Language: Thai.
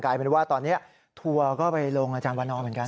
กลายเป็นว่าตอนนี้ทัวร์ก็ไปลงอาจารย์วันนอร์เหมือนกัน